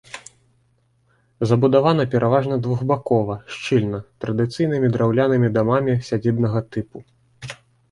Забудавана пераважна двухбакова, шчыльна, традыцыйнымі драўлянымі дамамі сядзібнага тыпу.